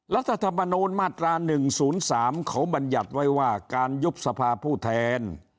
รัฐธรรมนูญมาตราหนึ่งศูนย์สามเขาบรรยัติไว้ว่าการยุบสภาผู้แทน